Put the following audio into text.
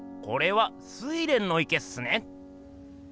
これは「睡蓮の池」っすね。